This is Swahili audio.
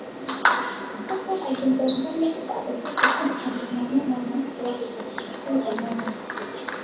Jacob alimdanganya kuwa alitaka kwenda kumfumania mwanamke wake katiko hilo eneo